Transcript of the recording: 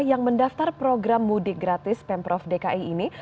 yang mendaftar program mudik gratis pemprov dki ini